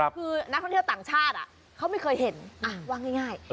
คือนักท่องเที่ยวต่างชาติเขาไม่เคยเห็นว่าง่าย